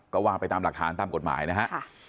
ก็ว่าไปตามหลักฐานตามกฎหมายนะฮะ